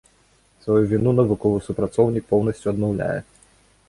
Сваю віну навуковы супрацоўнік поўнасцю адмаўляе.